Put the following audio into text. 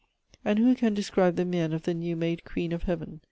And who can describe the mien of the new made queen of heaven?